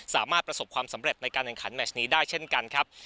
สามารถประสบความสำเร็จในการแข่งขันแมชนี้ได้เช่นกันครับ